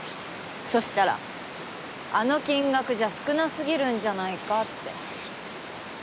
そうしたらあの金額じゃ少なすぎるんじゃないかって。